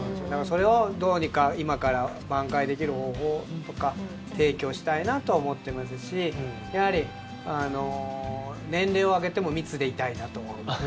それをどうにか今からばん回できる方法とか提供したいなと思っていますしやはり、年齢を上げても密でいたいなと思います。